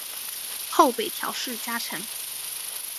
后北条氏家臣。